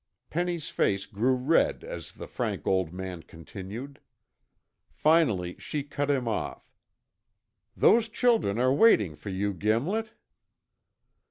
Penny's face grew red as the frank old man continued. Finally she cut him off. "Those children are waiting for you, Gimlet."